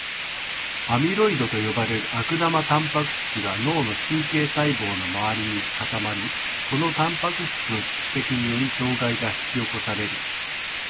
アミロイドと呼ばれる悪玉タンパク質が脳の神経細胞の周りに固まり、このタンパク質の蓄積によって障害が引き起こされる。